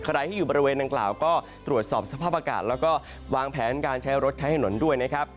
ใครที่อยู่บริเวณดังกล่าวก็ตรวจสอบสภาพอากาศแล้วก็วางแผนการใช้รถใช้ถนนด้วยนะครับ